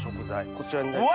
こちらになります。